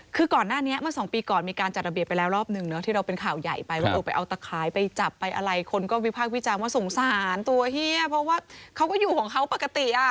คือก่อนหน้านี้เมื่อสองปีก่อนมีการจัดระเบียบไปแล้วรอบหนึ่งเนอะที่เราเป็นข่าวใหญ่ไปว่าเออไปเอาตะขายไปจับไปอะไรคนก็วิพากษ์วิจารณ์ว่าสงสารตัวเฮียเพราะว่าเขาก็อยู่ของเขาปกติอ่ะ